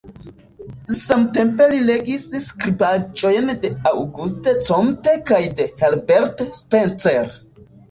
Samtempe li legis skribaĵojn de Auguste Comte kaj de Herbert Spencer.